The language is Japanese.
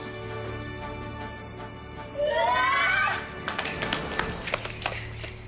うわ！